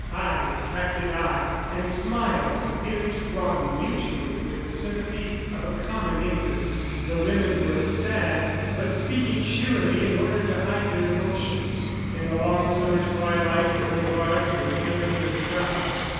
Eye attracted eye, and smiles appeared to broaden mutually with the sympathy of a common interest. The women were sad but speaking cheerily in order to hide their emotions. In the long summer twilight, the boulevards were filling with crowds.